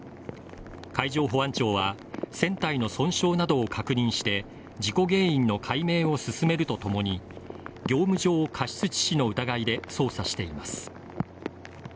海上保安庁は、船体の損傷などを確認して事故原因の解明を進めるとともに、業務上過失致死の疑いで捜査しています。